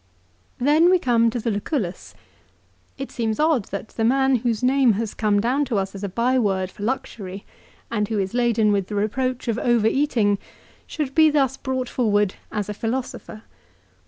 Then we come to the Lucullus. It seems odd that the man whose name has come down to us as a byword for luxury, and who is laden with the reproach of over eating, should be thus brought forward as a philosopher.